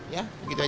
ya begitu aja